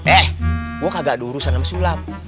eh gue kagak ada urusan sama sulam